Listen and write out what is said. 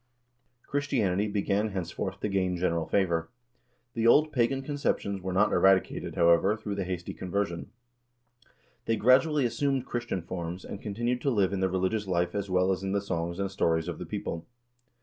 Christianity began henceforth to gain general favor. The old pagan conceptions were not eradicated, however, through the hasty conversion. They gradually assumed Christian forms and continued to live in the religious life as well as in the songs and stories of the people.